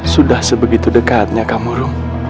sudah sebegitu dekatnya kamu rom